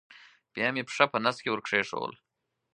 بیا مې پښه په نس کې ور کېښوول.